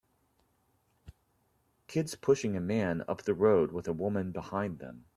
Kids pushing a man up the road with a woman behind them.